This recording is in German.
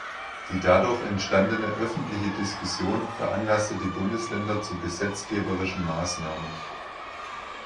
Die dadurch entstandene öffentliche Diskussion veranlasste die Bundesländer zu gesetzgeberischen Maßnahmen.